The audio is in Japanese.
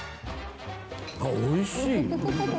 あ、おいしい！